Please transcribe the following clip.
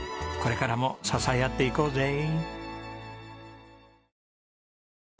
これからも支え合っていこうぜ。